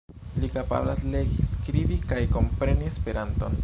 Li kapablas legi, skribi kaj kompreni Esperanton.